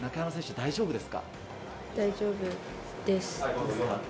大丈夫です。